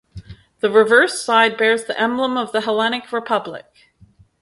The reverse side bears the emblem of the Hellenic Republic.